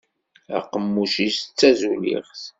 Aqemmuc-is d tazuliɣt.